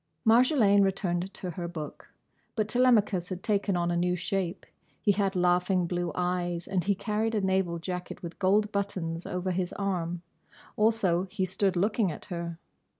Marjolaine returned to her book. But Telemachus had taken on a new shape. He had laughing blue eyes and he carried a naval jacket with gold buttons over his arm. Also he stood looking at her.